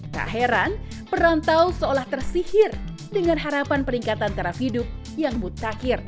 tak heran perantau seolah tersihir dengan harapan peningkatan taraf hidup yang mutakhir